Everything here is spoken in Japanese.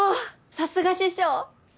さすが師匠！